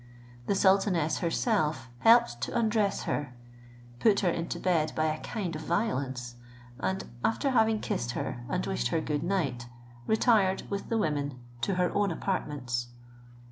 The sultaness herself helped to undress her, put her into bed by a kind of violence: and after having kissed her, and wished her good night, retired with the women to her own apartments.